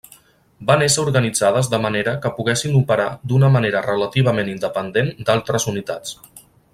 Van ésser organitzades de manera que poguessin operar d'una manera relativament independent d'altres unitats.